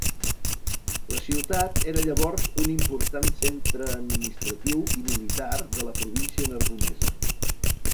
La ciutat era llavors un important centre administratiu i militar de la província Narbonesa.